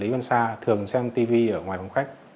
lý văn cao thường xem tivi ở ngoài phòng khách